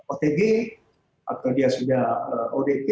otg atau dia sudah odp